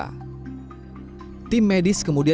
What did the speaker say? tim medis kemudian melakukan penyelidikan